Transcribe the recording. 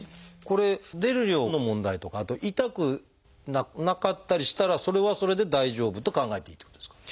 これ出る量の問題とかあと痛くなかったりしたらそれはそれで大丈夫と考えていいってことですか？